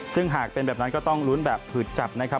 ซึ่งหากเป็นแบบนั้นก็ต้องลุ้นแบบผืดจับนะครับ